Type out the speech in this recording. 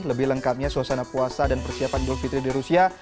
lebih lengkapnya suasana puasa dan persiapan julfitri di rusia